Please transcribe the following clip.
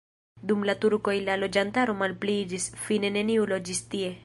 Dum la turkoj la loĝantaro malpliiĝis, fine neniu loĝis tie.